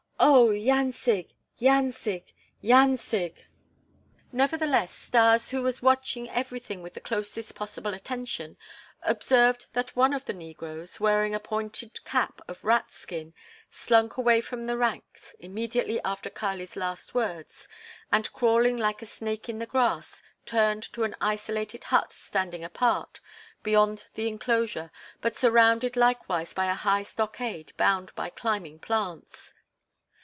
"Oh! Yancig! Yancig! Yancig!" Nevertheless, Stas, who was watching everything with the closest possible attention, observed that one of the negroes, wearing a pointed cap of rats' skin, slunk away from the ranks immediately after Kali's last words and, crawling like a snake in the grass, turned to an isolated hut standing apart, beyond the enclosure, but surrounded likewise by a high stockade bound by climbing plants.